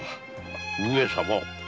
上様